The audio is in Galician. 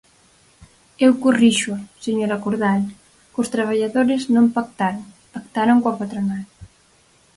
Eu corríxoa, señora Cordal: cos traballadores non pactaron, pactaron coa patronal.